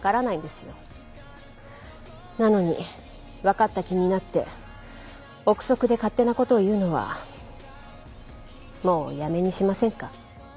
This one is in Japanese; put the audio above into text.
「なのにわかった気になって臆測で勝手な事を言うのはもうやめにしませんか？」